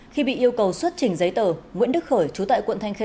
khi bị yêu cầu xuất trình giấy tờ nguyễn đức khởi chú tại quận thanh khê